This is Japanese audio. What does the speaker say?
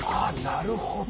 なるほど！